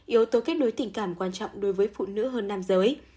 yếu tố kết nối tình cảm quan trọng đối với phụ nữ hơn nam giới